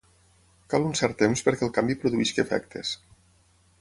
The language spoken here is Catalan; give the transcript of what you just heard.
Cal un cert temps perquè el canvi produeixi efectes.